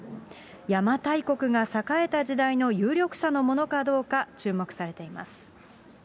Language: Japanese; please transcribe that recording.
邪馬台国が栄えた時代の有力者のものかどうか注目されています。